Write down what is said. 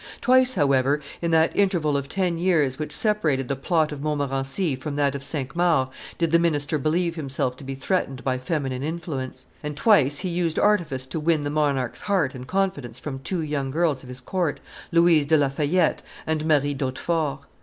Twice, however, in that interval of ten years which separated the plot of Montmorency from that of Cinq Mars, did the minister believe himself to be threatened by feminine influence; and twice he used artifice to win the monarch's heart and confidence from two young girls of his court, Louise de La Fayette and Marie d'Hautefort.